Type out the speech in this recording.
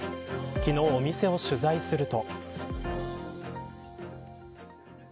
昨日、お店を取材すると。